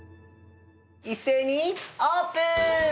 一斉にオープン！